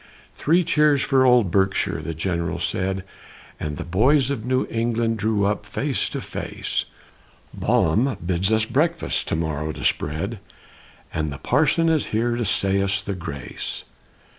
"Three cheers for old Berkshire!" the General said, As the boys of New England drew up face to face, "Baum bids us a breakfast to morrow to spread, And the Parson is here to say us the 'grace.'"